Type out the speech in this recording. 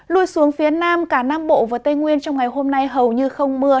lui xuống phía nam cả nam bộ và tây nguyên trong ngày hôm nay hầu như không mưa